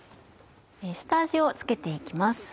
下味を付けて行きます。